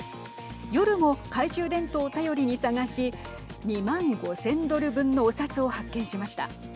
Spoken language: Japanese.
夜も懐中電灯を頼りに探し２万５０００ドル分のお札を発見しました。